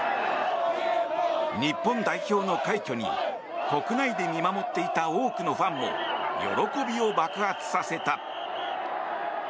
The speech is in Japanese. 日本代表の快挙に国内で見守っていた多くのファンも喜びを爆発させた。